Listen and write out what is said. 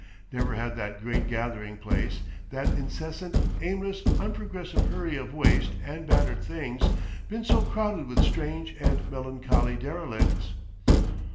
Never had that great gathering place, that incessant, aimless, unprogressive hurry of waste and battered things, been so crowded with strange and melancholy derelicts.